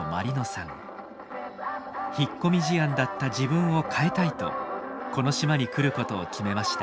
引っ込み思案だった自分を変えたいとこの島に来ることを決めました。